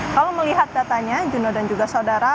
kalau melihat datanya juno dan juga saudara